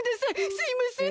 すいません。